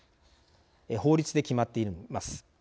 法律で決まっています。